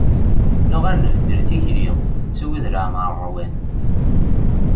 Nuɣal nbeddel tikli, nettu wid leɛmer ṛwan.